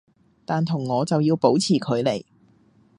但同我就要保持距離